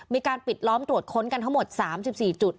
มีการปิดล้อมตรวจค้นกันทั้งหมด๓๔จุด